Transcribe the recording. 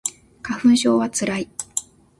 花粉症はつらい